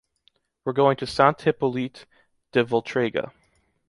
We’re going to Sant Hipòlit de Voltregà.